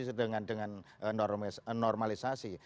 normalisasi dengan normalisasi